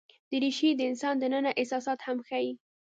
دریشي د انسان دننه احساسات هم ښيي.